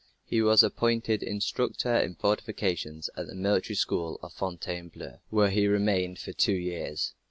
He was appointed instructor in fortifications at the Military School at Fontainebleau, where he remained for two years.